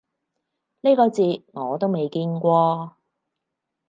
呢個字我都未見過